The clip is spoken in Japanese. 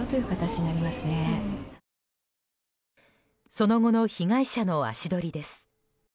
その後の被害者の足取りです。